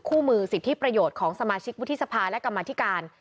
มือสิทธิประโยชน์ของสมาชิกวุฒิสภาและกรรมธิการ